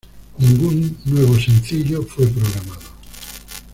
Ningún nuevo sencillo fue programado.